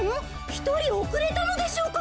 ひとりおくれたのでしょうか？